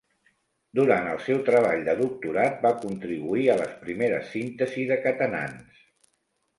Durant el seu treball de doctorat, va contribuir a les primeres síntesi de catenans.